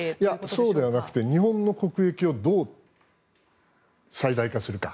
そうではなくて日本の国益をどう最大化するか。